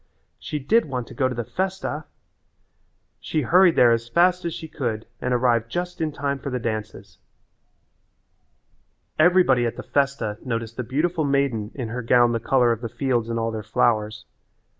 She did want to go to the festa! She hurried there as fast as she could and arrived just in time for the dances. Everybody at the festa noticed the beautiful maiden in her gown the colour of the fields and all their flowers.